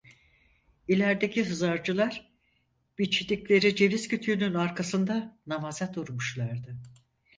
İlerdeki hızarcılar, biçtikleri ceviz kütüğünün arkasında namaza durmuşlardı.